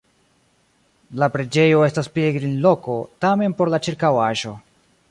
La preĝejo estas pilgrimloko, tamen por la ĉirkaŭaĵo.